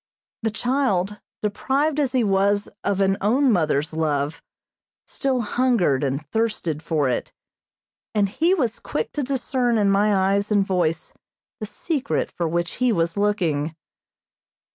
The child, deprived as he was of an own mother's love, still hungered and thirsted for it, and he was quick to discern in my eyes and voice the secret for which he was looking.